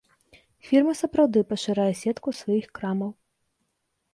Фірма сапраўды пашырае сетку сваіх крамаў.